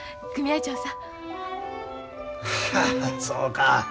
そうか。